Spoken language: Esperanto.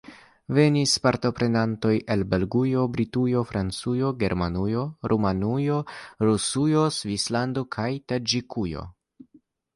Venis partoprenantoj el Belgujo, Britujo, Francujo, Germanujo, Rumanujo, Rusujo, Svislando kaj Taĝikujo.